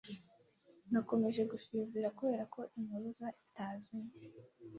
Nakomeje gusinzira kubera ko impuruza itazimye.